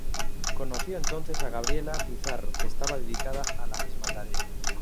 Conoció entonces a Gabriela Pizarro que estaba dedicada a la misma tarea.